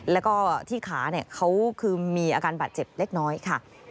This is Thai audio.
แล้วก็ที่ขาเขาคือมีอาการบาดเจ็บเล็กน้อยค่ะ